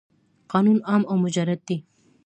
قانون عام او مجرد دی.